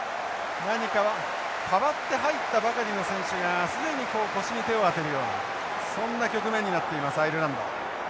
何か代わって入ったばかりの選手が既に腰に手を当てるようなそんな局面になっていますアイルランド。